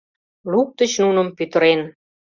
Луктыч нуным пӱтырен.